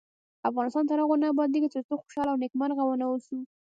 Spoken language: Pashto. افغانستان تر هغو نه ابادیږي، ترڅو خوشحاله او نیکمرغه ونه اوسو.